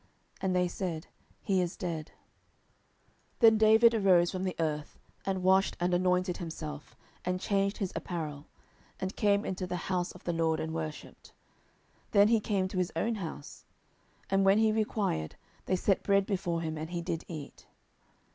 And they said, He is dead. 10:012:020 Then David arose from the earth, and washed, and anointed himself, and changed his apparel, and came into the house of the LORD, and worshipped: then he came to his own house; and when he required, they set bread before him, and he did eat.